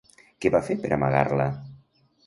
Què va fer per amagar-la?